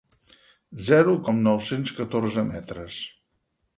Zero com nou-cents catorze metres.